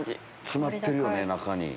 詰まってるよね中に。